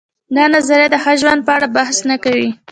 دا نظریه د ښه ژوند په اړه بحث نه کوي.